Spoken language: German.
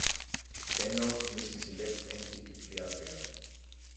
Dennoch müssen sie letztendlich geklärt werden.